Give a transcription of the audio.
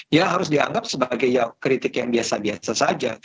ya harus dianggap sebagai kritik yang biasa biasa saja